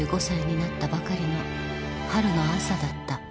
４５歳になったばかりの春の朝だった